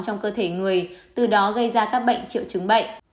trong cơ thể người từ đó gây ra các bệnh triệu chứng bệnh